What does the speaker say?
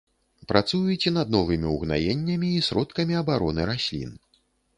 Працуюць і над новымі угнаеннямі і сродкамі абароны раслін.